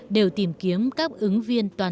đều tìm kiếm các ứng viên toàn diện